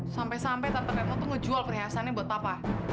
sampai sampai tante retno tuh ngejual perhiasannya buat papa